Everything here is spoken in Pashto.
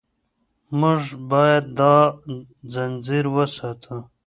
موږ باید دا ځنځیر وساتو.